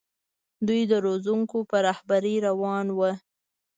دوی د روزونکو په رهبرۍ روان وو.